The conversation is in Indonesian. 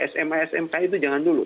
sma smk itu jangan dulu